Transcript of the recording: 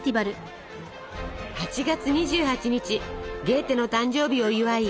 ８月２８日ゲーテの誕生日を祝い